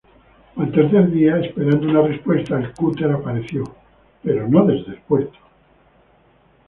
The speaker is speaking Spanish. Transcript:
Al tercer día, esperando una respuesta, el cúter apareció, pero no desde el puerto.